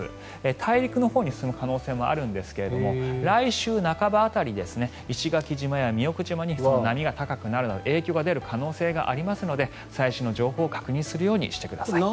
大陸のほうに進む可能性もあるんですが来週半ば辺り、石垣島や宮古島に波が高くなるなどの影響が出る可能性がありますので最新の情報を確認するようにしてください。